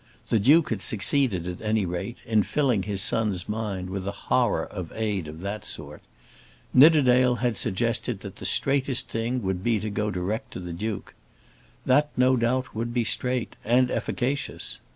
The Duke had succeeded, at any rate, in filling his son's mind with a horror of aid of that sort. Nidderdale had suggested that the "straightest" thing would be to go direct to the Duke. That no doubt would be straight, and efficacious.